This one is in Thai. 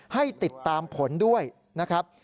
ให้ติดตามผลด้วยนะครับ